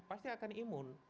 pasti akan imun